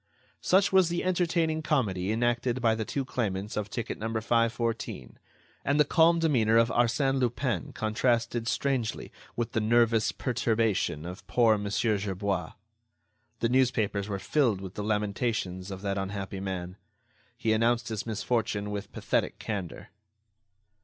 Such was the entertaining comedy enacted by the two claimants of ticket No. 514; and the calm demeanor of Arsène Lupin contrasted strangely with the nervous perturbation of poor Mon. Gerbois. The newspapers were filled with the lamentations of that unhappy man. He announced his misfortune with pathetic candor.